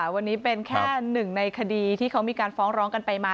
วันนี้เป็นแค่หนึ่งในคดีที่เขามีการฟ้องร้องกันไปมา